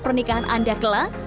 pernikahan anda kelak